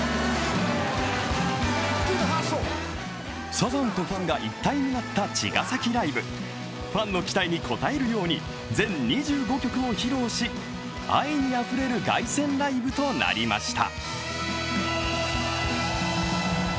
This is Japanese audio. サザンとファンが一体になった茅ヶ崎ライブファンの期待に応えるように全２５曲を披露し、愛にあふれる凱旋ライブとなりました。